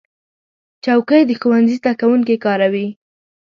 چوکۍ د ښوونځي زده کوونکي کاروي.